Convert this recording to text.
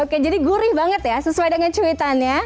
oke jadi gurih banget ya sesuai dengan cuitannya